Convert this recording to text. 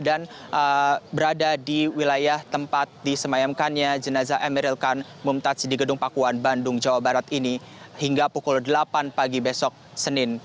dan berada di wilayah tempat disemayamkannya jenazah emeril khan memetatsi di gedung pakuan bandung jawa barat ini hingga pukul delapan pagi besok senin